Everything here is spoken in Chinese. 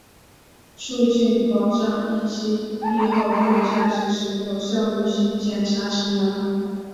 促进、保障疫期、疫后更加及时有效履行检察职能